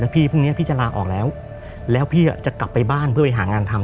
พี่พรุ่งนี้พี่จะลาออกแล้วแล้วพี่จะกลับไปบ้านเพื่อไปหางานทำ